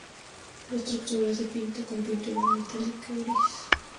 La estructura se pinta con pintura metálica gris.